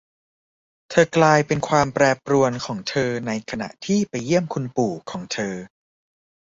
เธอกลายเป็นความแปรปรวนของเธอในขณะที่ไปเยี่ยมคุณปู่ของเธอ